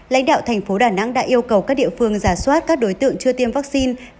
lãnh đạo thành phố đà nẵng đã yêu cầu các địa phương giả soát các đối tượng chưa tiêm vaccine